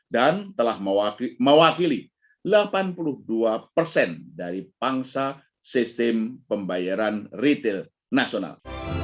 dan telah mewakili delapan puluh dua dari pangsa sistem pembayaran retail nasional